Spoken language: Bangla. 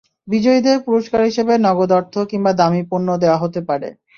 বিজয়ীদের পুরস্কার হিসেবে নগদ অর্থ কিংবা দামি পণ্য দেওয়া হতে পারে।